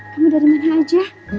kamu dari mana aja